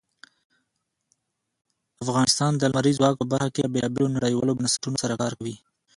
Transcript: افغانستان د لمریز ځواک په برخه کې له بېلابېلو نړیوالو بنسټونو سره کار کوي.